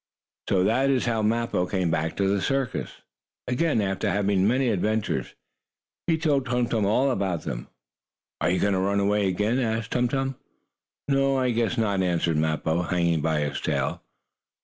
So that is how Mappo came back to the circus again, after having had many adventures. He told Tum Tum all about them. "Are you going to run away again?" asked Tum Tum. "No, I guess not," answered Mappo, hanging by his tail.